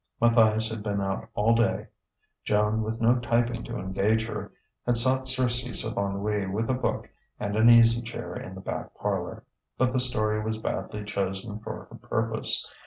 Matthias had been out all day; Joan, with no typing to engage her, had sought surcease of ennui with a book and an easy chair in the back parlour. But the story was badly chosen for her purpose.